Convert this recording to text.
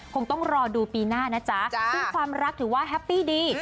คงต้องรอดูปีหน้านะจ๊ะซึ่งความรักถือว่าแฮปปี้ดี